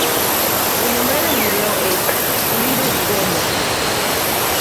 El nombre del video es "Little Wonders".